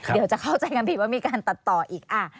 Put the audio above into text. เดี๋ยวจะเข้าใจกันผิดว่ามีการตัดต่ออีก